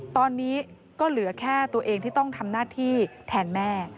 ตอนนี้ก็เหลือแค่ตัวเองที่ต้องทำหน้าที่แทนแม่